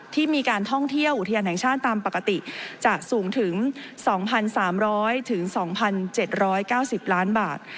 ที่มีการท่องเที่ยวอุทยานแห่งชาติตามปกติจะสูงถึงสองพันสามร้อยถึงสองพันเจ็ดร้อยเก้าสิบล้านบาท